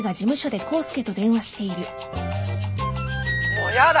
もうやだ！